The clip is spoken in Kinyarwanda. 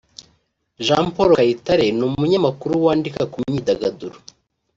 Jean Paul Kayitare ni umunyamakuru wandika ku myidagaduro